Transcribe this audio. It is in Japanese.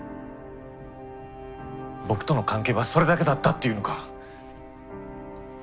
僕との関係はそれだけだったって言うのか？